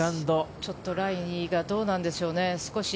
ちょっとライがどうなんでしょうね。